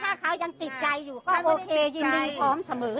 ถ้าเขายังติดใจอยู่ก็โอเคยินดีพร้อมเสมอ